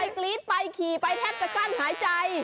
กรี๊ดไปขี่ไปแทบจะกั้นหายใจ